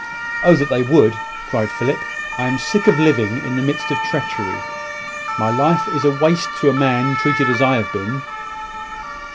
"Oh, that they would!" cried Philip. "I am sick of living in the midst of treachery. Life is a waste to a man treated as I have been."